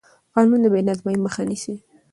قانون د بې نظمۍ مخه نیسي